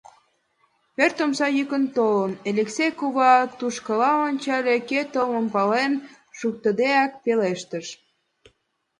Пӧрт омса йӱкым колын, Элексей кува тушкыла ончале, кӧ толмым пален шуктыдеак пелештыш: